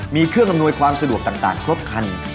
มีเครื่องอำนวยความสะดวกต่างครบคัน